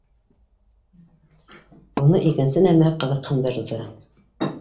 Уны икенсе нәмә ҡыҙыҡһындырҙы.